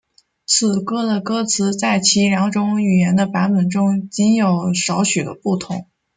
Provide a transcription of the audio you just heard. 此歌的歌词在其两种语言的版本中仅有少许的不同。